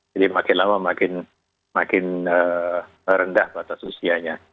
jadi makin lama makin rendah batas usianya